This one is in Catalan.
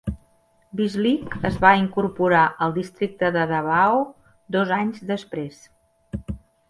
Bislig es va incorporar al districte de Davao dos anys després.